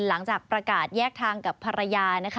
หลังจากประกาศแยกทางกับภรรยานะคะ